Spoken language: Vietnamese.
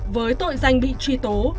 với tội danh bị truy tố